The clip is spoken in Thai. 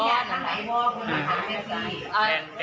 มิหยาดทั้งหลายบอร์นคุณค่ะ